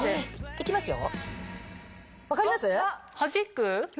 いきますよ？